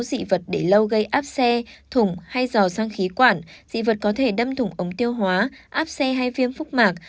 dị vật để lâu gây áp xe thùng hay giò sang khí quản dị vật có thể đâm thủng ống tiêu hóa áp xe hay viêm phúc mạc